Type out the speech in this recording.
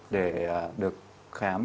để được khám